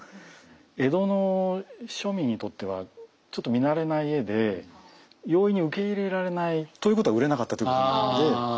江戸の庶民にとってはちょっと見慣れない絵で容易に受け入れられない。ということは売れなかったということなんで。